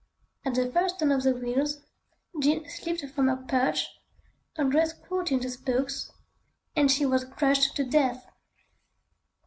At the first turn of the wheels, Jean slipped from her perch, her dress caught in the spokes, and she was crushed to death.